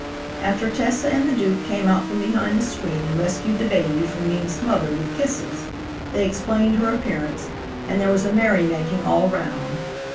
After Tessa and the Duke came out from behind the screen and rescued the baby from being smothered with kisses, they explained her appearance and there was a merry making all round.